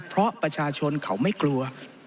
เพราะประชาชนเขาไม่กลัว